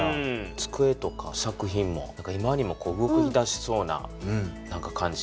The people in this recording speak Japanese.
つくえとか作品も今にも動きだしそうな感じ。